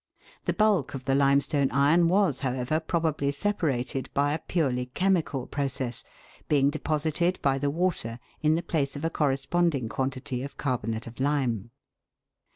The bulk of the limestone iron was, however, probably separated by a purely chemical process, being deposited by the water in the place of a corresponding quantity of carbonate of lime.